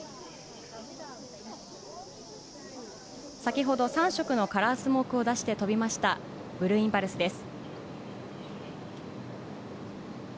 先ほど、３色のカラースモークを出して飛びましたブルーインパルスです。